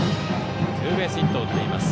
ツーベースヒットを打っています。